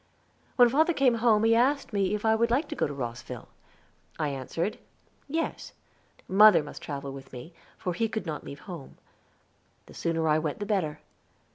When father came home he asked me if I would like to go to Rosville. I answered, "Yes." Mother must travel with me, for he could not leave home. The sooner I went the better.